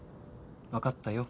わかったよ